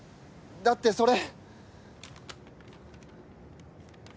だってそれ